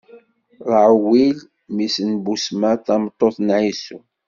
Raɛuwil, mmi-s n Busmat, tameṭṭut n Ɛisu.